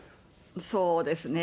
そうですね。